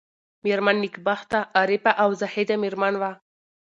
مېرمن نېکبخته عارفه او زاهده مېرمن وه.